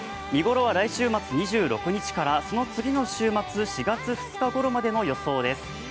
見頃は来週末２６日から、その次の週末、４月２日ごろまでの予想です。